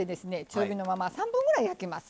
中火のまま３分ぐらい焼きます。